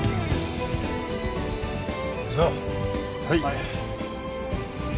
はい。